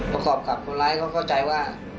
ประกอบกับคนร้ายเขาก็เข้าใจว่า